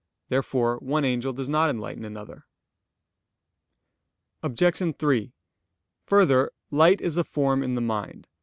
Therefore one angel does not enlighten another. Obj. 3: Further, light is a form in the mind.